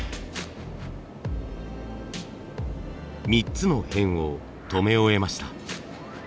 ３つの辺をとめ終えました。